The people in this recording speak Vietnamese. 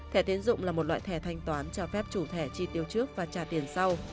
thẻ tiến dụng là một loại thẻ thanh toán cho phép chủ thẻ chi tiêu trước và trả tiền sau